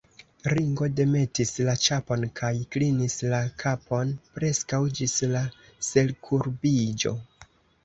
Ringo demetis la ĉapon kaj klinis la kapon preskaŭ ĝis la selkurbiĝo.